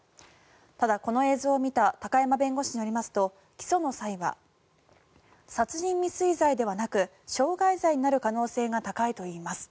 ただ、この映像を見た高山弁護士によりますと起訴の際は、殺人未遂罪ではなく傷害罪になる可能性が高いといいます。